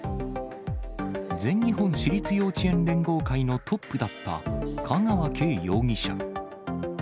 全日本私立幼稚園連合会のトップだった香川敬容疑者。